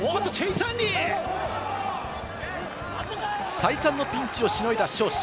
再三のピンチをしのいだ尚志。